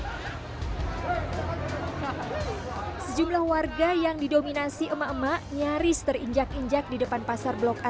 hai sejumlah warga yang didominasi emak emak nyaris terinjak injak di depan pasar blok a